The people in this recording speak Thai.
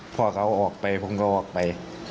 พ่อเขาออกไปพ่อเอาออกไป